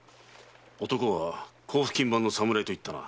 男は甲府勤番の侍といったな。